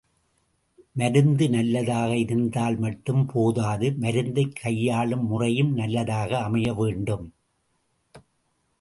மருந்து நல்லதாக இருந்தால் மட்டும் போதாது மருந்தைக் கையாளும் முறையும் நல்லதாக அமைய வேண்டும்.